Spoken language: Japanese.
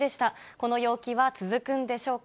この陽気は続くんでしょうか。